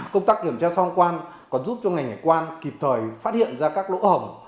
công tác kiểm tra sau thông quan còn giúp cho ngành hải quan kịp thời phát hiện ra các lỗ hồng